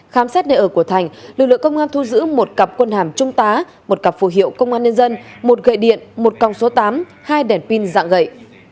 khám xét nơi ở của thành lực lượng công an thu giữ một cặp quân hàm trung tá một cặp phù hiệu công an nhân dân một gậy điện một còng số tám hai đèn pin dạng gậy